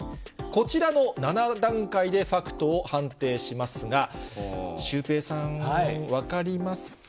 こちらの７段階でファクトを判定しますが、シュウペイさん、分かりますか？